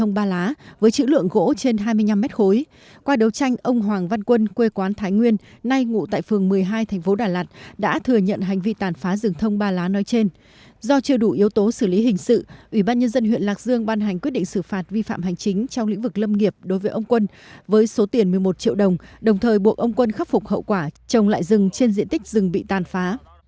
ubnd huyện lạc dương đã ban hành quyết định xử phạt vi phạm hành chính trong lĩnh vực lâm nghiệp đối với ông quân với số tiền một mươi một triệu đồng đồng thời buộc ông quân khắc phục hậu quả trồng lại rừng trên diện tích rừng bị tàn phá